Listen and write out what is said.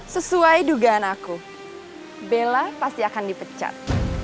sesuai dugaan aku bella pasti akan dipecat